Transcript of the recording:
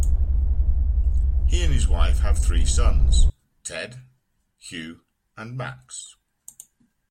He and his wife have three sons, Ted, Hugh and Max.